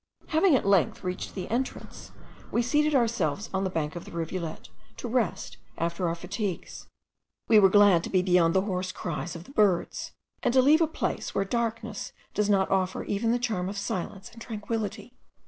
Having at length reached the entrance, we seated ourselves on the bank of the rivulet, to rest after our fatigues. We were glad to be beyond the hoarse cries of the birds, and to leave a place where darkness does not offer even the charm of silence and tranquillity.